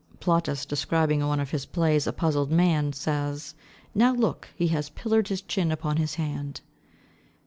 Plautus, describing in one of his plays a puzzled man, says, "Now look, he has pillared his chin upon his hand."